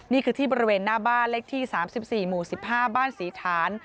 นี่คือที่บริเวณหน้าบ้านเลขที่๓๔หมู่๑๕บ้านศรีฐาน